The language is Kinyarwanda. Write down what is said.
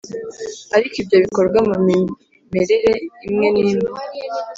Ariko ibyo bikorwa mu mimerere imwe n imwe